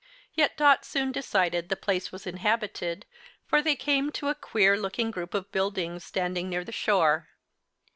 Yet Dot soon decided the place was inhabited, for they came to a queer looking group of buildings standing near the shore.